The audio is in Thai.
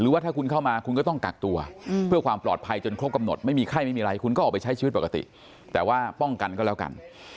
ว่าถ้าคุณเข้ามาคุณก็ต้องกักตัวเพื่อความปลอดภัยจนครบกำหนดไม่มีไข้ไม่มีอะไรคุณก็ออกไปใช้ชีวิตปกติแต่ว่าป้องกันก็แล้วกัน